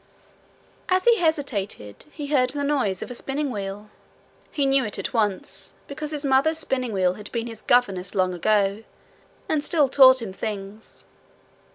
As he hesitated, he heard the noise of a spinning wheel. He knew it at once, because his mother's spinning wheel had been his governess long ago, and still taught him things.